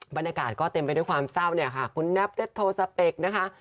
บรรยากาศก็เต็มไปด้วยความเศร้าคุณนับเรศโทรสเปกนะคะ